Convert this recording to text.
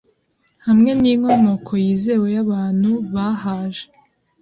hamwe ninkomoko yizewe yabantubahaje.